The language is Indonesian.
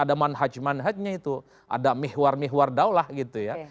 ada manhaj manhajnya itu ada mihwar mihwardaulah gitu ya